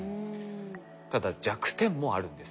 ただ弱点もあるんですよね。